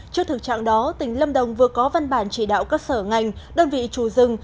trước thực trạng đó tỉnh lâm đồng vừa có văn bản chỉ đạo các sở ngành đơn vị chủ rừng